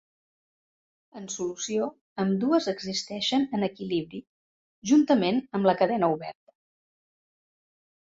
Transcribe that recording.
En solució ambdues existeixen en equilibri juntament amb la cadena oberta.